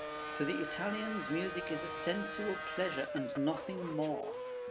To the Italians music is a sensual pleasure, and nothing more.